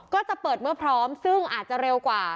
ก็จะเปิดเมื่อพร้อมซึ่งอาจจะเร็วกว่า